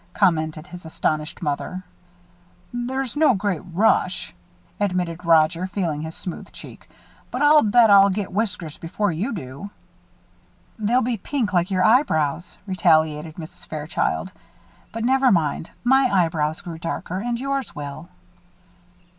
commented his astonished mother. "There's no great rush," admitted Roger, feeling his smooth cheek, "but I bet I'll get whiskers before you do." "They'll be pink, like your eyebrows," retaliated Mrs. Fairchild, "but never mind; my eyebrows grew darker and yours will."